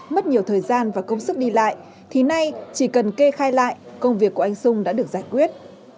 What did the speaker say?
mất nhiều thời gian và công sức đi lại thì nay chỉ cần kê khai lại công việc của anh sung đã được giải quyết